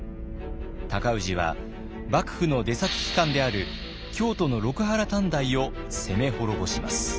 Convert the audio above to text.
尊氏は幕府の出先機関である京都の六波羅探題を攻め滅ぼします。